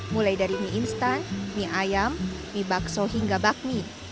mulai dari mie instan mie ayam mie bakso hingga bakmi